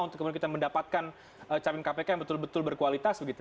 untuk kemudian kita mendapatkan capim kpk yang betul betul berkualitas begitu